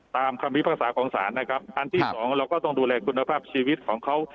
คำพิพากษาของศาลนะครับอันที่สองเราก็ต้องดูแลคุณภาพชีวิตของเขา